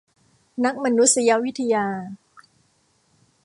นักมานุษยวิทยา